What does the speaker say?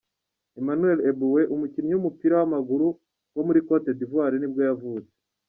Emmanuel Eboué, umukinnyi w’umupira w’amaguru wo muri Cote d’ivoire nibwo yavutse.